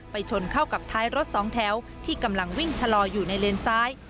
ชนเข้ากับท้ายรถสองแถวที่กำลังวิ่งชะลออยู่ในเลนซ้าย